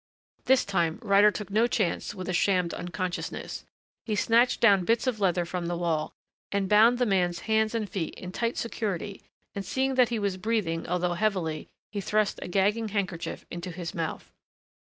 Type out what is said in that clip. This time Ryder took no chance with a shammed unconsciousness. He snatched down bits of leather from the wall and bound the man's hands and feet in tight security and seeing that he was breathing, although heavily, he thrust a gagging handkerchief into his mouth.